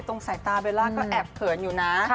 สายตาเบลล่าก็แอบเขินอยู่นะ